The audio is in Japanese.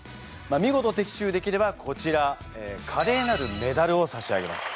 見事的中できればこちらカレーなるメダルを差し上げます。